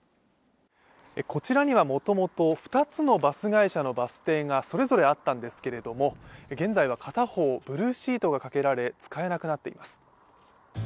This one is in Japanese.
こちらには、もともと２つのバス会社のバス停がそれぞれあったんですけれども現在は片方ブルーシートがかけられ、使えなくなっています。